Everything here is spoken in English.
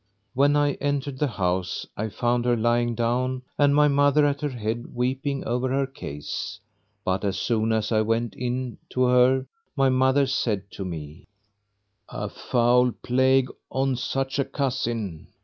When I entered the house I found her lying down and my mother at her head weeping over her case; but as soon as I went in to her my mother said to me, "A foul plague on such a cousin!